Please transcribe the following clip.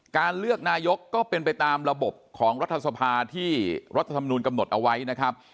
การเลือกนายกก็เป็นไปตามระบบของรัฐสภาที่รัฐธรรมนูลกำหนดเอาไว้นะครับ